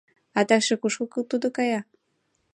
Адакше кушко тудо кая?